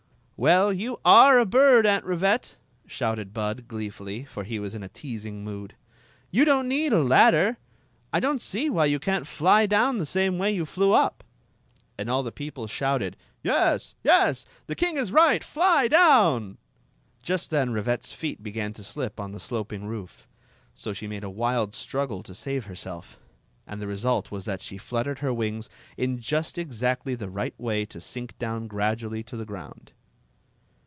••Well, you are a bird. Aunt Rivette!" shouted Bud, gleefully, for he was in a teasing mood. •• You don't need a ladder! I dont see why you cant fly down the same way you flew up." And all the peo ple shouted; "Yes, yes! The king is right! Fly down !" Just then Rivette s feet began to slip on the sloping roof ; so she made a wild struggle to save herself, and the result was that she fluttered her wings in just exacdy the right way to sink down gradually to the ground.